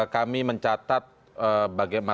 kami mencatat bagaimana